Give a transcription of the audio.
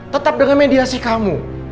tetap dengan media sosial